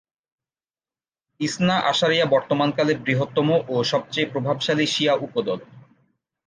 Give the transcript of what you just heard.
ISNA আশারিয়া বর্তমানকালে বৃহত্তম ও সবচেয়ে প্রভাবশালী শিয়া উপদল।